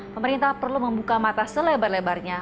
pemerintah perlu membuka mata selebar lebarnya